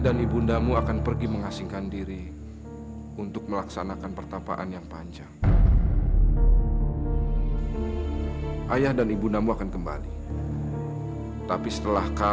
anda anda mengerti maksud ayah